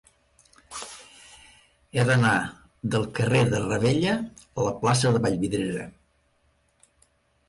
He d'anar del carrer de Ravella a la plaça de Vallvidrera.